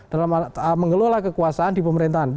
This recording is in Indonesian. dalam mengelola kekuasaan di pemerintahan